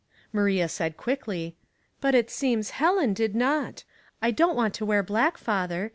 Maria said quickly, —" But it seems Helen did not. I don't want to wear black, father.